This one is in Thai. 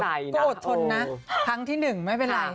เขาใจนะเกิดชนนะครั้งที่หนึ่งไม่เป็นไร